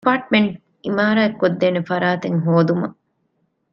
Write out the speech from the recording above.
އެޕާޓްމަންޓެއް ޢިމާރާތްކޮށްދޭނޭ ފަރާތެއް ހޯދުމަށް